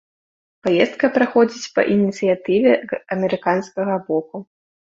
Паездка праходзіць па ініцыятыве амерыканскага боку.